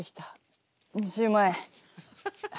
２０万円。